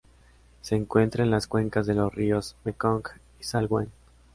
Se encuentran en las cuencas de los ríos Mekong y Salween.